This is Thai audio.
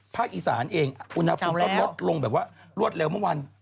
ภาคอีสานเองว่าลดเร็วเมืองวัน